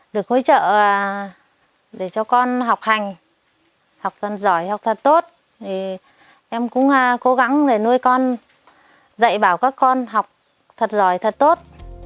được hỗ trợ để cho con học hành học tốt em cũng cố gắng để nuôi con dạy bảo các con học thật giỏi thật tốt